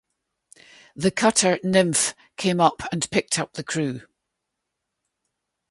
The cutter "Nymphe" came up and picked up the crew.